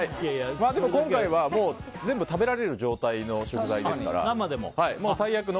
今回は全部食べられる状態の食材ですから。